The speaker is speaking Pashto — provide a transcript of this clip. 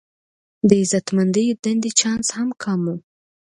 د عزتمندې دندې چانس هم کم و.